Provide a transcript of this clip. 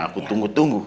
aku tunggu tunggu